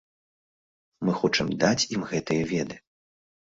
Мы хочам даць ім гэтыя веды.